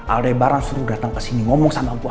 aldebaran suruh datang kesini ngomong sama gue